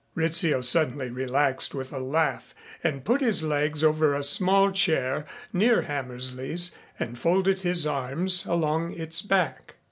Rizzio suddenly relaxed with a laugh and put his legs over a small chair near Hammersley's and folded his arms along its back.